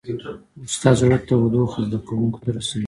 استاد د زړه تودوخه زده کوونکو ته رسوي.